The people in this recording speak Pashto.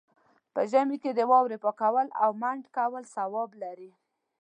په ژمي کې د واورو پاکول او منډ کول ثواب لري.